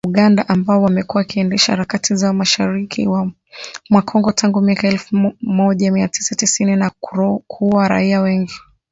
Wanamgambo wa Uganda ambao wamekuwa wakiendesha harakati zao mashariki mwa Kongo tangu miaka ya elfu moja mia tisa tisini na kuua raia wengi